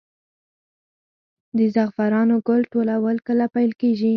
د زعفرانو ګل ټولول کله پیل کیږي؟